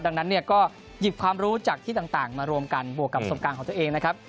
ดังนั้นเนี่ยก็หยิบความรู้จากที่ต่างมารวมกันบวกกับสมการของตัวเองนะครับ